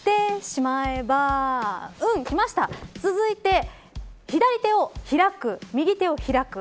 続いて、左手を開く右手を開く。